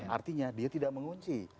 artinya dia tidak mengunci